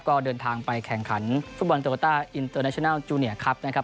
ก็เดินทางไปแข่งขันฟุตบอลโตโยต้าอินเตอร์เนชนัลจูเนียครับนะครับ